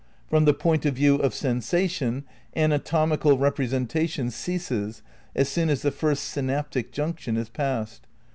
"From the point of view of sensation anatomical repre sentation ceases as soon as the first synaptic junction is passed"